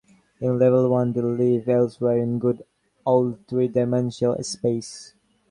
In Level One they live elsewhere in good old three-dimensional space.